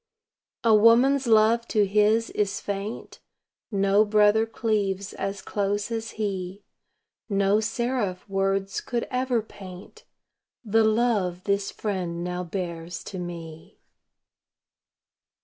A woman's love to His is faint; No brother cleaves as close as He; No seraph words could ever paint The love this Friend now bears to me.